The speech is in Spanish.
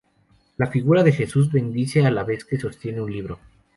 La figura de Jesús bendice a la vez que sostiene un libro.